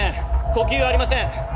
呼吸ありません。